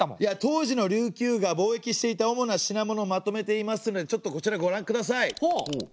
当時の琉球が貿易していた主な品物をまとめていますのでちょっとこちらご覧ください。